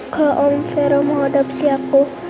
kalau om vero mau adapsi aku